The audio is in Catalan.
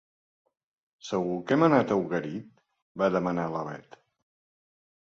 Segur que hem anat a Ugarit? —va demanar la Bet.